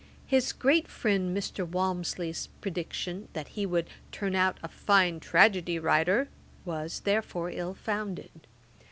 His great friend Mr. Walmsley's prediction, that he would 'turn out a fine tragedy writer,' was, therefore, ill founded.